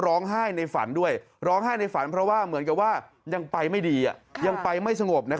เขาร้องไห้ซะในฝันเพราะว่ายังไปไม่สงบ